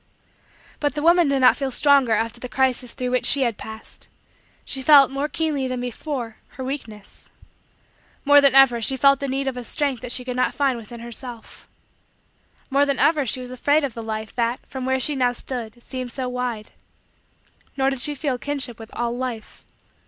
But the woman did not feel stronger after the crisis through which she had passed; she felt, more keenly than before, her weakness. More than ever, she felt the need of a strength that she could not find within herself. More than ever, she was afraid of the Life, that, from where she now stood, seemed so wide. Nor did she feel a kinship with all Life.